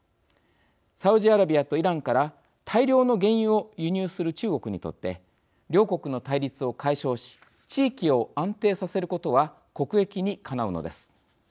サウジアラビアとイランから大量の原油を輸入する中国にとって両国の対立を解消し地域を安定させることは国益にかなうのです。